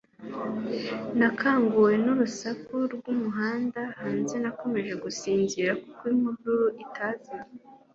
nakanguwe n urusaku rwumuhanda hanze nakomeje gusinzira kuko impuruza itazimye